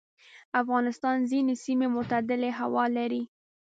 افغانستان ځینې سیمې معتدلې هوا لري.